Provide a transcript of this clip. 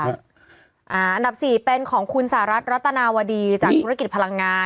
อันดับสี่เป็นของคุณสหรัฐรัตนาวดีจากธุรกิจพลังงาน